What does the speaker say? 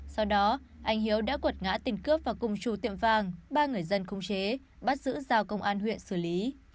sau đó anh hiếu đã quật ngã tên cướp và cùng chủ tiệm vàng ba người dân không chế bắt giữ giao công an huyện xử lý